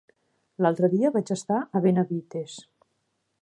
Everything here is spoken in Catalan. L'altre dia vaig estar a Benavites.